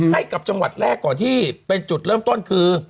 ให้กับจังหวัดแรกก่อนที่เป็นจุดเริ่มต้นคือ